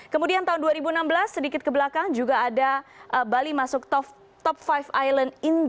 kemudian tahun dua ribu enam belas sedikit ke belakang juga ada bali masuk top lima island